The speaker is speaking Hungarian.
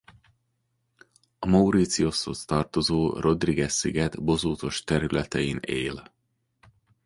A Mauritiushoz tartozó Rodriguez-sziget bozótos területein él.